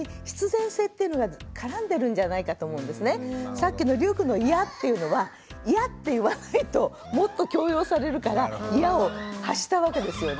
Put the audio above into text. さっきのりゅうくんの「イヤ」っていうのは「イヤ」って言わないともっと強要されるから「イヤ」を発したわけですよね。